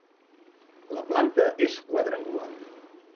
La planta és quadrangular.